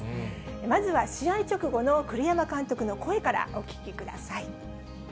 まずは試合直後の栗山監督の声からお聞きください。